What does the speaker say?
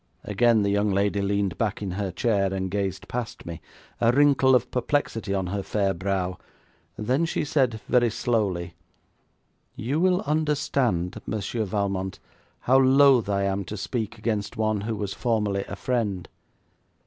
Again the young lady leaned back in her chair, and gazed past me, a wrinkle of perplexity on her fair brow. Then she said very slowly: 'You will understand, Monsieur Valmont, how loath I am to speak against one who was formerly a friend.